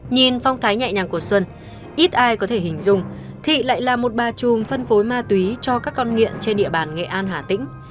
nhìn phong thái nhẹ nhàng của xuân ít ai có thể hình dung thị lại là một bà chùm phân phối ma túy cho các con nghiện trên địa bàn nghệ an hà tĩnh